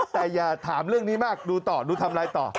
แต่อย่าถามเรื่องนี้มากดูต่อดูทำไลน์ต่อ